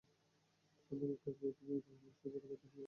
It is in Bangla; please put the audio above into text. আমাকে কাজ বুঝে নিতে হবে অফিসের বড়কর্তা শরিফ সাহেবের কাছ থেকে।